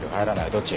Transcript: どっち？